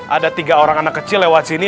ada tiga orang anak kecil lewat sini